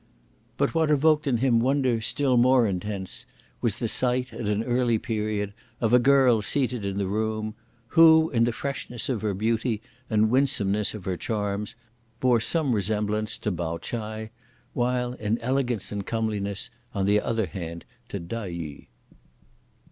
But what evoked in him wonder still more intense, was the sight, at an early period, of a girl seated in the room, who, in the freshness of her beauty and winsomeness of her charms, bore some resemblance to Pao ch'ai, while, in elegance and comeliness, on the other hand, to Tai yu.